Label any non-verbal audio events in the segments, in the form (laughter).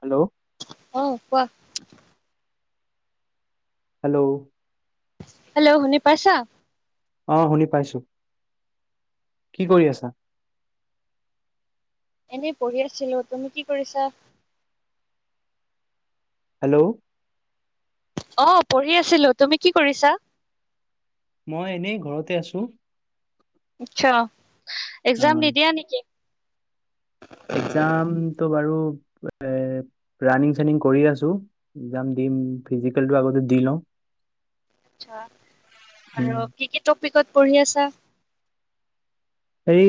Hello. অ কোৱা। Hello. Hello শুনি পাইছা? অ শুনি পাইছো, কি কৰি আছা? এনেই পঢ়ি আছিলো, তুমি কি কৰিছা? হেল্ল'। অ পঢ়ি আছিলো, তুমি কি কৰিছা? মই এনেই ঘৰতে আছো। আচ্ছা, অ এক্জাম নিদিয়া নেকি? এক্জাম তো বাৰু এ ৰানিং-চানিং কৰি আছো। এক্জাম দিম ফিজিকেলটো আগতে দি লওঁ। আচ্ছা উম আৰু কি কি টপিকত পঢ়ি আছা? এই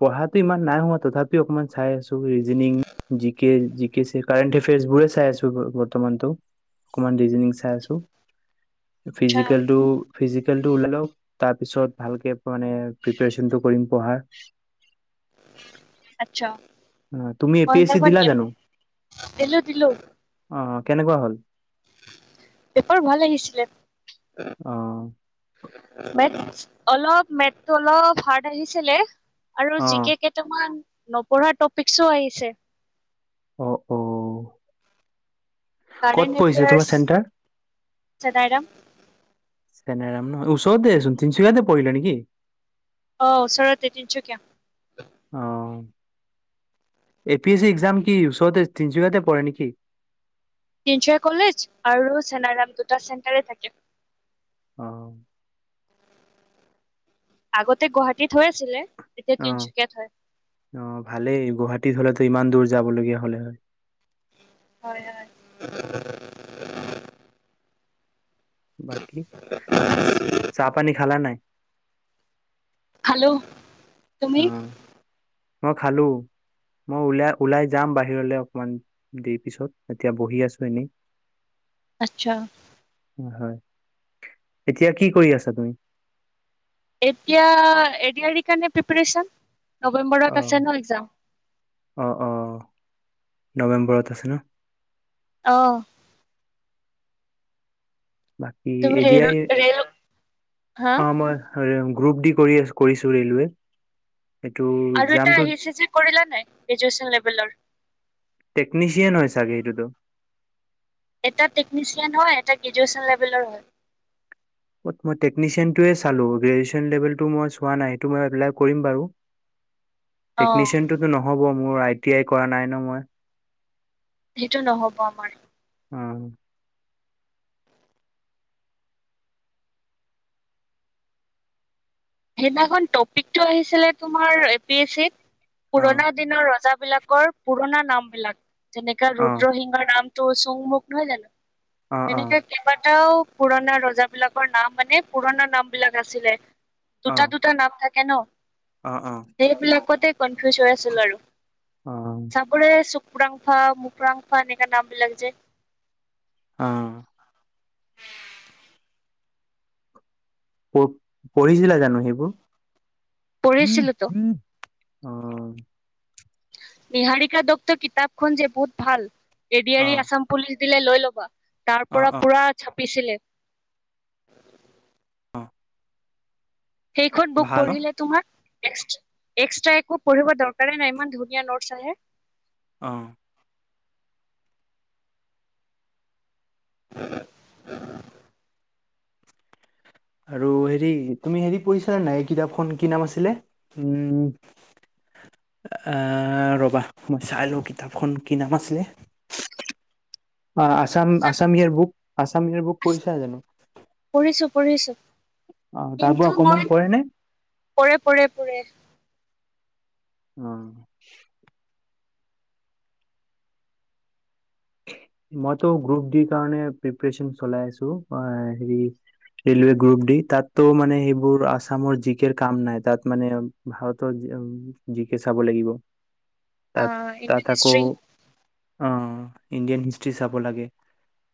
পঢ়াটো ইমান নাই হোৱা তথাপিও অকমান চাই আছো ৰিজিনিং জি কে জি কেছে কাৰেণ্ট এফেয়াৰছ বোৰে চাই আছো ব বৰ্তমান তো। অকমান ৰিজনিং চাই আছো। আচ্ছা ফিজিকেল টো ফিজিকেলটো উলাই লওক তাৰ পিছত ভালকে মানে প্ৰিপেৰেচনটো কৰিম পঢ়াৰ। আচ্ছা তুমি এ মই পি এছ চি সেইনাখন দিলা এপ জানো দিলো দিলো। অ অ কেনেকুৱা হ'ল? পেপাৰ ভাল আহিছিলে। অ। মেথ্চ অলপ মেথটো অলপ হাৰ্ড আহিছিলে। আৰু অ জি কে কেইটামান নপঢ়াৰ টপিক্চও আহিছে। অ অ কাৰেণ্ট ক'ত পৰিছে এফেয়াৰ্চ তোমাৰ চেণ্টাৰ? চেনাইৰাম। চেনাইৰাম ন ওচৰতে চোন তিনচুকীয়াতে পৰিলে নেকি? অঁ ওচৰতে তিনচুকীয়া। অ A P S C exam কি ওচৰতে তিনচুকীয়াতে পৰে নেকি? তিনচুকীয়া কলেজ আৰু চেনাইৰাম দুটা চেণ্টাৰে থাকে। অ। আগতে গুৱাহাটীত হৈ আছিলে এতিয়া অ তিনচুকীয়াত হয়। অ ভালেই গুৱাহাটীত হলেতো ইমান দূৰ যাবলগীয়া হ'লে হয়। হয় হয়। বাকি চাহ পানী খালা নাই? খালো, তুমি? অ খালো। মই ওলাই ওলাই যাম বাহিৰলে অকমান দেৰি পিছত এতিয়া বহি আছো এনেই। (inaudible) আচ্ছা। হয়, এতিয়া কি কৰি আছা তুমি? এতিয়া এ দি আৰ ইৰ কাৰণে প্ৰিপেৰেচন। নৱেম্বৰত আছে ন এক্জাম। অঁ অঁ নৱেম্বৰত আছে ন? অ। বাকী তুমি এ দি ৰেল আৰ ইৰ, ৰেল হা অ মই গ্ৰুপ দি কৰি আছ কৰিছো ৰেলৱে। এইটো আৰু এটা এক্সামটো আহিছে যে কৰিলা নাই গ্ৰেজুৱেচন লেভেলৰ? টেক্নিচিয়ান হয় চাগে সেইটোতো। এটা টেকনিচিয়ান হয় এটা গ্ৰেজুৱেচন লেভেলৰ হয়। মই টেকচিয়ানটোৱে চালো গ্ৰেজচন লেভেলটো মই চোৱা নাই সেটো মই এপ্লাই কৰিম বাৰু। অ টেকনিচিয়ানটোতো নহ'ব মোৰ আই টি আই কৰা নাই ন মই। সেইটো নহ'ব আমাৰ। উম। সেইদিনাখন টপিকটো আহিছিলে তোমাৰ এ পি এছ চিত অ পুৰণা দিনৰ ৰজাবলাকৰ পুৰণা নাম বিলাক যেনেকাে অ ৰুদ্ৰসিংহৰ নাম৷ চুংমুখ নহয় অ জানো এনেকে কেইবাটাও পুৰণা ৰজা বিলাকৰ নাম মানে পুৰণা নাম বিলাক আছিলে। দুটা-দুটা নাম থাকে ন। অ-অ। সেইবিলাকতে কনফিউজ হৈ আছিল আৰু। অ-অ তাপোৰে চুকৰাংফা, মুকৰাংফা এনেকুৱা নাম বিলাক যে আ পঢ পঢ়িছিলা জানো সেইবোৰ? পঢ়িছিলো তো। অ নিহাৰিকা দত্ত কিতাপখন যে বহুত ভাল A D O O R E Assam police দিলে লৈ ল'বা। তাৰ অ পৰা অ পুৰা চাপিছিলে। সেইখন বুক ভাল ন পঢ়িলে তোমাৰ বেস্ত৷ এক্সট্ৰা একো পঢ়িব দৰকাৰে নাই ইমান ধুনীয়া নোটছ আহে। অ (inaudible) আৰু হেৰি তুমি হেৰি পঢ়িছা নাই কিতাপখন কি নাম আছিলে উম আহ ৰবা মই চাই লওঁ কিতাপখন কি নাম আছিলে অ আাচাম-আচাম year book Assam year book পঢ়িছা জানো? পঢ়িছোঁ-পঢ়িছোঁ অ তাৰ পৰা কিন্তু অকমান মই পঢ়ে নে পৰে-পৰে-পৰে উম। মইতো গ্ৰুপ দি কাৰণে প্ৰিপেৰেচন চলাই আছো হে ৰেলৱে গ্ৰুপ ডি তাত তো মানে এইবোৰ আছামৰ জিকেৰ কাম নাই তাত মানে ভাৰতৰ জিকে চাব লাগিব, আ তাত-তাত ইণ্ডিয়ান আকৌ হিষ্ট্ৰী আ ইণ্ডিয়ান হিষ্ট্ৰ্ৰী চাব লাগে।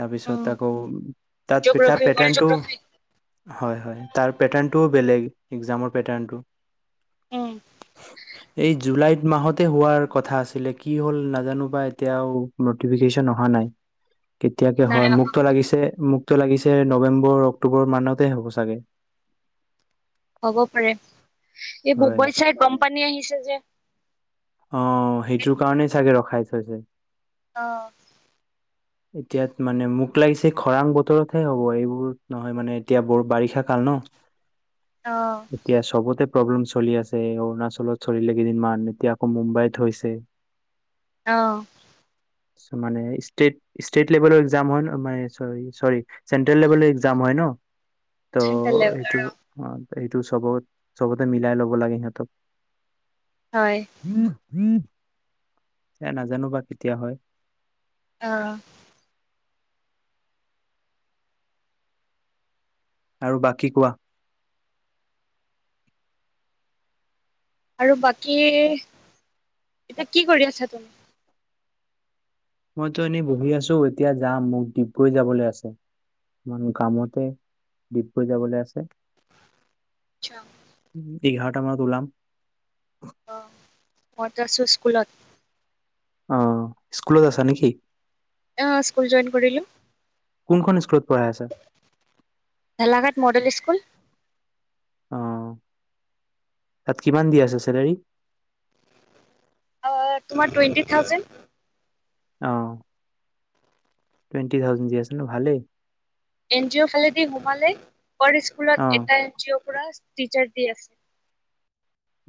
তাৰপিছত আকৌ তাত তাৰ জিঅ'গ্ৰাফি ৱৰ্ল্ড পেটাৰ্ণটো জিঅ'গ্ৰাফি হয়-হয় তাৰ পেটাৰ্ণটোও বেলেগ একজামৰ পেটাৰ্ণটো৷ উম এই জুলাইত মাহতে হোৱাৰ কথা আছিলে কি হ'ল নাজানো বা এতিয়া আৰু নটিফিকেচন অহা নাই কেতিয়াকে নাই হয় অহা মোকটো লাগিছে মোক টো লাগিছে নৱেম্বৰ, অক্টোবৰ মানতে হ'ব চাগে। হ'ব পাৰে, এই হয় বুবৈ (unintelligible) চাইড বানপানী আহিছে যে অ সেইটোৰ কাৰণেই চাগে ৰখাই থৈছে। অ (inaudible) এতিয়াত মানে মোক লাগিছে খৰাং বতৰতহে হ'ব এইবোৰ নহয় মানে এতিয়া বৰ বাৰিষা কাল ন। (inaudible) অ৷ এতিয়া চবতে প্ৰব্লেম চলি আছে, অৰুণাচলত চলিলে কেইদিনমান এতিয়া আকৌ মুম্বাইত হৈছে। অঁ৷ মানে ষ্ট্ৰেইট-ষ্ট্ৰেইট লেভেলৰ একজাম হয়, (unintelligible) মানে চৰি-চৰি চেন্ট্ৰেল লেভেলৰ একজাম হয় ন? বেলেগ ত' এইটো আৰু অ এইটো চবত চবতে মিলাই ল'ব লাগে সিহঁতক। হয়। সেয়া নাজানো বা কেতিয়া হয়। অঁ। আৰু বাকী কোৱা? আৰু বাকী এতিয়া কি কৰি আছা তুমি? মইতো এনেই বহি আছোঁ এতিয়া যাম মোক ডিগবৈ যাবলৈ আছে। অকমান কামতে ডিগবৈ যাবলে আছে। আচ্ছা। উম, ইঘাৰটা মানত ওলাম। অহ, ম‌ইতো আছোঁ স্কুলত। অহ, স্কুলত আছা নেকি? অঁ স্কুল জয়েন কৰিলোঁ। কোনখন স্কুলত পঢ়াই আছা? Dhalaghat model school. অহ, তাত কিমান দি আছে চেলেৰী? অহ, তোমাৰ টুৱেণ্টি থাউজেণ্ড। অঁ। টুৱেন্টি থাউজেণ্ড দি আছে ন? ভালেই। এন জি অ' ফালেদি সোমালে পাৰ স্কুলত অ এটা এন জি অ'ৰ পৰা টিচাৰ দি আছে।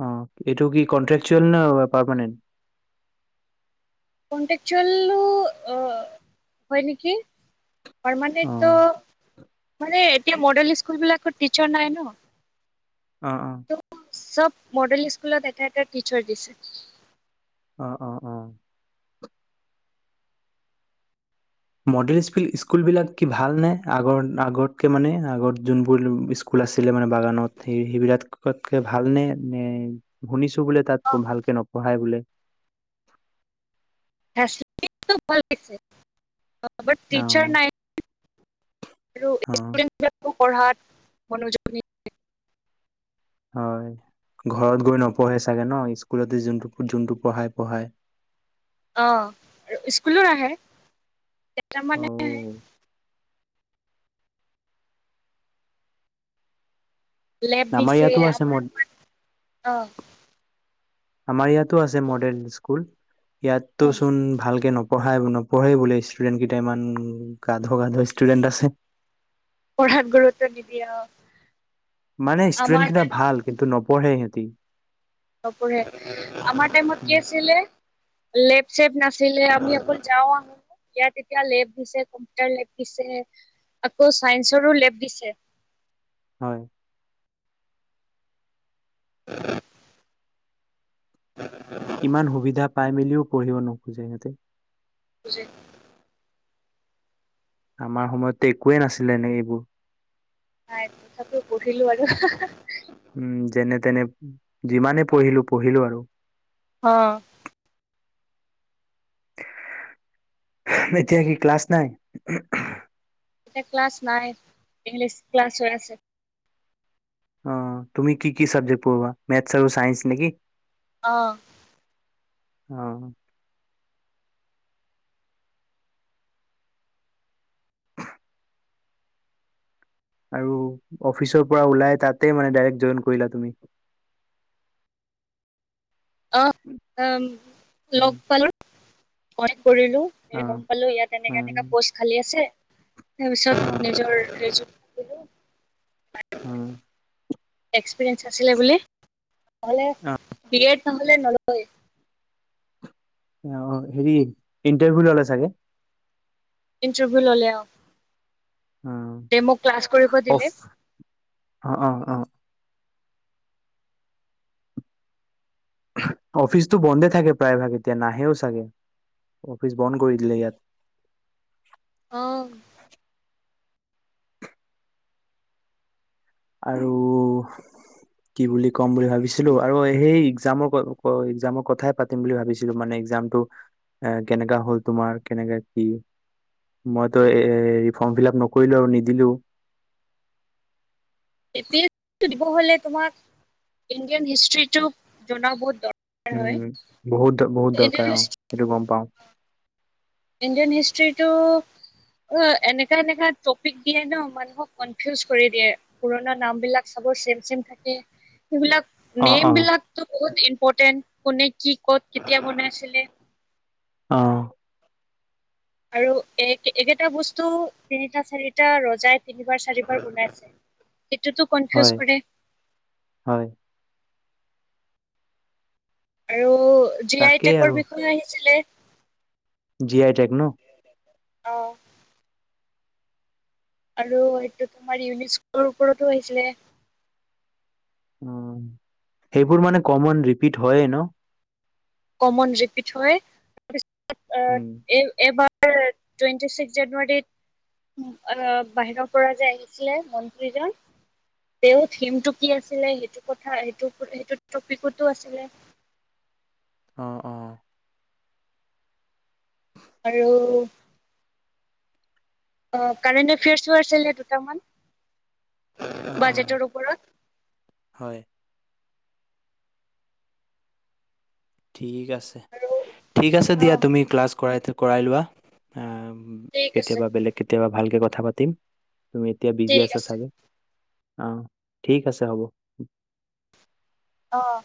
অ এইটো কি কনট্ৰেকচোৱেল নে পাৰমানেণ্ট? কনট্ৰেকচোৱেলো অ হয় নেকি। অ। পাৰমানেণ্টো মানে এতিয়া মডেল স্কুল বিলাকত টিচাৰ নাই ন। অঁ অঁ। ত' চব মডেল স্কুলত এটা এটা টিচাৰ দিছে। অঁ অঁ অঁ। মডেল স্কুল স্কুলবিলাক কি ভাল নে আগৰ আগতকে মানে আগত যোনবোৰ স্কুল স্কুল আছিলে মানে বাগানত সেই সেই বিলাকতকে ভালনে? নে শুনিছোঁ বোলে তাত ভালকে নপঢ়াই বোলে? অ ভালট নাই (unintelligible) আৰু অঁ। ইচটুডেণ্ট বিলাকো পঢ়াত মনোযোগ নি হয়। ঘৰত গৈ নপঢ়ে চাগে ন স্কুলতে যোনটো যোনটো পঢ়াই পঢ়াই। অহ আৰু স্কুলো নাহে কেইটা মানে অ। লেব আমাৰ দিছে ইয়াতো আছে আমাৰ মড, অ আমাৰ ইয়াত ইয়াতো আছে মডেল স্কুল ইয়াতো উম চোন ভালকে নপঢ়াই। নপঢ়ে বোলে ষ্টুডেন্ট কেইটাই ইমান গাধ গাধ ষ্টুডেন্ট আছে। পঢ়াত গুৰুত্ব নিদিয়ে অ। মানে ষ্টুডেণ্ট আমাৰ কেইটা টাইমত ভাল কিন্তু নপঢ়ে সিহঁতি। নপঢ়ে আমাৰ টাইমত উম, কি আছিলে? লেব চেপ নাছিলে আমি অকল যাওঁ আহো। ইয়াত এতিয়া লেব দিছে কম্পিউটাৰ লেব দিছে আকৌ ছায়েন্সৰো লেব দিছে। হয়। (unintelligible) ইমান সুবিধা পাই মেলিও পঢ়িব নোখোজে সিহঁতে। নোখোজে। আমাৰ সময়তে একোৱে নাছিলে এনেই এইবোৰ। নাই তথাপিও পঢ়িলো আৰু হ হ। উম যেনে তেনে যিমানে পঢ়িলো পঢ়িলো আৰু। অ। এতিয়া কি ক্লাছ নাই? এতিয়া ক্লাছ নাই ইংলিছ ক্লাছ হৈ আছে। অ তুমি কি কি চাবজেক পঢ়োৱা মেথ্ছ আৰু চাইঞ্চ নেকি? অঁ। অ। আৰু অফিচৰ পৰা ওলাই তাতে মানে ডাইৰেক জইন কৰিলা তুমি? অ লগ পালো জইন কৰিলো। অ গম পালো ইয়াত এনেকা এনেকা উম, পষ্ট খালী আছে তাৰ পিছত অ', নিজৰ ৰেজুই উম। এক্সপিৰিয়েঞ্চ আছিলে বুলে নহ'লে অ', বি এড নহ'লে নলয়। অ অ হেৰি ইণ্টাৰভিউ ললে চাগে? ইণ্টৰভিউ ললে অ। উম কৰিব অফ দিলে অ অ অ। অফিচটো বন্ধে থাকে প্ৰায় ভাগ এতিয়া নাহেও চাগে অফিচ বন্ধ কৰি দিলে ইয়াত। অ। আৰু কি বুলি ক'ম বুলি ভাবিছিলো আৰু সেই এক্জামৰ এক্জামৰ কথাই পাতিম বুলি ভাবিছিলো মানে এক্জামটো এ কেনেকা হ'ল তোমাৰ কেনেকা কি? মইতো এ হেৰি ফৰ্ম ফিল আপ নকৰিলো আৰু নিদিলোও। এ পি এছ ছি টো দিব হলে তোমাৰ ইণ্ডিয়ান হিষ্ট্ৰিটোক জনা বহুত দৰ উম বহুত বহুত ইণ্ডিয়ান দৰকাৰ অ, হিষ্ট সেইটো গম পাও। ইণ্ডিয়ান হিষ্ট্ৰীটো অ এনেকা এনেকা টপিক দিয়ে ন মানুহক কনফিউজ কৰি দিয়ে। পুৰণা নাম বিলাক ছবৰ ছেম ছেম থাকে সেইবিলাক অ', নেম অ', বিলাকতো বহুত ইম্পৰ্টেণ্ট কোনে কি ক'ত কেতিয়া বনাইছিলে। অ। আৰু এক একেটা বস্তু তিনিটা চাৰিটা ৰজাই তিনিবাৰ চাৰিবাৰ বনাইছে। সেটোতো হয় কনফিউজ কৰে। হয়। আৰু জি আই তাকেই টেকৰ আৰু বিষয়ে আহিছিলে। জি আই টেগ ন? অ। আৰু সেইটো তোমাৰ ইউনিস্ক'ৰ ওপৰতো আহিছিলে। উম সেইবোৰ মানে কমন ৰিপিট হয়ে ন? কমন ৰিপিট হয় তাৰপিছত আহ উম। এই এইবাৰ টুৱেণ্টি ছিক্স জানুৱাৰীত অৰ বাহিৰৰ পৰা যে আহিছিলে মন্ত্ৰীজন তেওঁৰ থিমটো কি আছিলে সেইটো কথা সেইটো সেইটো টপিকতো আছিলে। অ অ। আৰু অ কাৰেণ্ট এফেয়াৰছো আছিলে দুটামান অ', অ', বাজেটৰ ওপৰত। হয়। ঠিক আছে আৰু ঠিক আছে অ দিয়া তুমি ক্লাছ কৰাই কৰাই লোৱা। আহ ঠিক আছে কেতিয়াবা বেলেগ কেতিয়াবা ভালকে কথা পাতিম। তুমি এতিয়া বিজি ঠিক আছা আছে চাগে। অ ঠিক আছে হ'ব। অঁ।